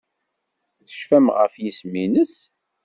Tecfam ɣef yisem-nnes?